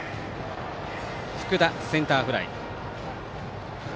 福田、センターフライ。